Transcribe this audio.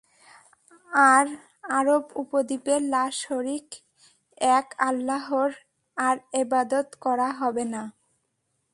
আর আরব উপদ্বীপে লা-শরীক এক আল্লাহর আর ইবাদত করা হবে না।